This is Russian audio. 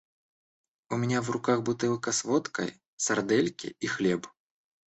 У меня в руках бутылка с водкой, сардельки и хлеб.